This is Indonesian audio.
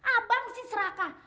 abang sih serakah